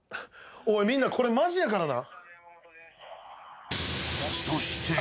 おいみんなこれマジやからな